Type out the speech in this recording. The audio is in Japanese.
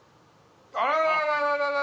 あららら！